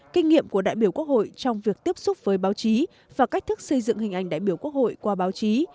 kinh nghiệm của đại biểu quốc hội trong việc tiếp xúc với báo chí và cách thức xây dựng hình ảnh đại biểu quốc hội qua báo chí